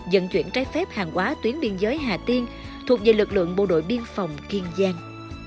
dẫn chuyển trái phép hàng quá tuyến biên giới hà tiên thuộc về lực lượng bộ đội biên phòng kiên giang